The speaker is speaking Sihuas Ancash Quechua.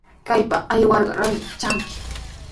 Kaypa aywarqa rasllami tranki.